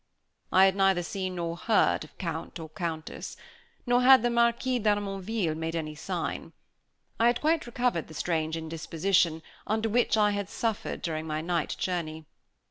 I had neither seen nor heard of Count or Countess, nor had the Marquis d'Harmonville made any sign. I had quite recovered the strange indisposition under which I had suffered during my night journey.